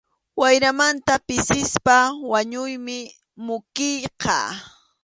Wayramanta pisispa wañuymi mukiyqa.